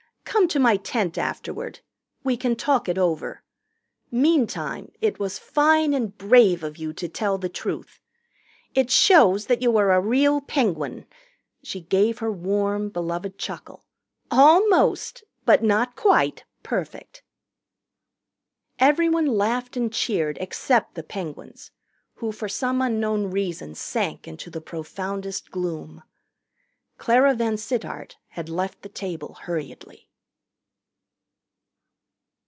Come to my tent afterward. We can talk it over. Meantime it was fine and brave of you to tell the truth. It shows that you are a real Penguin " she gave her warm, beloved chuckle "almost, but not quite, perfect." Everyone laughed and cheered except the Penguins, who for some unknown reason sank into the profoundest gloom. Clara VanSittart had left the table hurriedly.